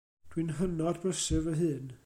Dwi'n hynod brysur fy hun.